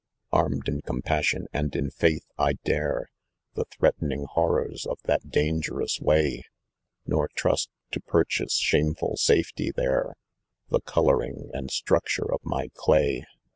I " A «ned in compassion anil in faith, I dare The threatening horrours of that dangerou, , jy. Nor trust, to purchase shameful safety there, The colouring and structure ormy clay.